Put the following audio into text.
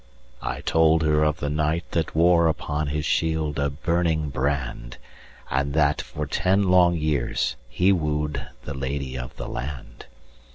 I told her of the Knight that woreUpon his shield a burning brand; And that for ten long years he woo'dThe Lady of the Land.